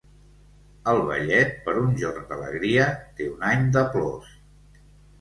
El vellet, per un jorn d'alegria, té un any de plors.